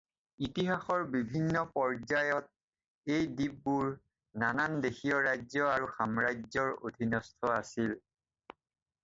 ইতিহাসৰ বিভিন্ন পৰ্যায়ত এই দ্বীপবোৰ নানান দেশীয় ৰাজ্য আৰু সাম্ৰাজ্যৰ অধীনস্থ আছিল।